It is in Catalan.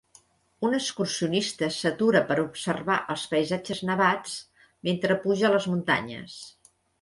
Un excursionista s'atura per observar els paisatges nevats mentre puja les muntanyes.